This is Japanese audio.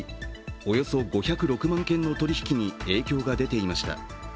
およそ５０６万件の取引に影響が出ていました。